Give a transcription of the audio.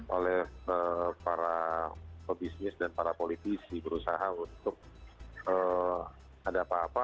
oleh para pebisnis dan para politisi berusaha untuk ada apa apa